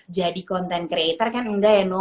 jadi content creator kan nggak ya no